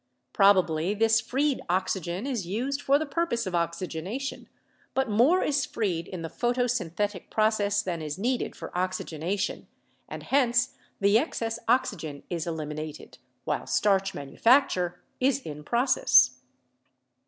Probably this freed oxygen is used for the purpose of oxygenation, but more is freed in the photosynthetic process than is needed for oxygena tion and hence the excess oxygen is eliminated while starch manufacture is in process.